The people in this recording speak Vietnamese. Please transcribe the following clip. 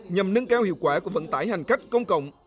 nhằm nâng cao hiệu quả của vận tải hành khách công cộng